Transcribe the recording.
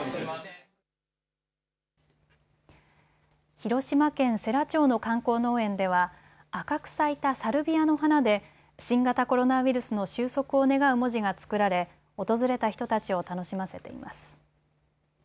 広島県世羅町の観光農園では赤く咲いたサルビアの花で新型コロナウイルスの終息を願う文字が作られ訪れた人たちを楽しませています。